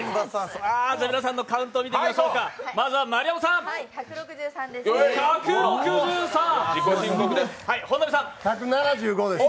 皆さんのカウントを見ていきましょうか１６３です。